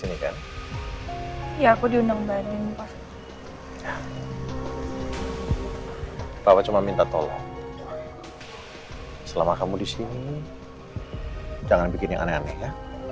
nama kamu disini jangan bikin yang aneh aneh ya